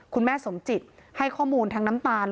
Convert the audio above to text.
คุณแม่สมจิตให้ข้อมูลทั้งน้ำตาล